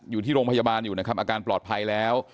อยู่ที่โรงพยาบาลอยู่นะครับอาการปลอดภัยแล้ว